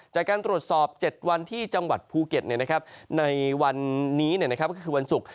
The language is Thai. จากการตรวจสอบ๗วันที่จังหวัดภูเก็ตในวันนี้ก็คือวันศุกร์